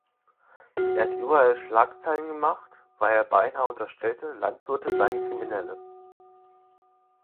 Er hat überall Schlagzeilen gemacht, weil er beinahe unterstellte, Landwirte seien Kriminelle.